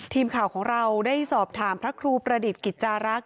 ทีมข่าวของเราได้สอบถามพระครูประดิษฐ์กิจจารักษ์